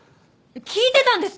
聞いてたんですか？